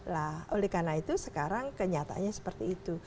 nah oleh karena itu sekarang kenyataannya seperti itu